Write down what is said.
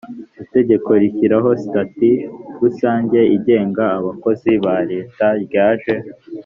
itegeko rishyiraho sitati rusange igenga abakozi ba leta ryaje